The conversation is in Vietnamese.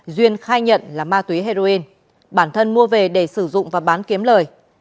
duyên khai nhận là ma túy heroin bản thân mua về để sử dụng và bán kiếm lời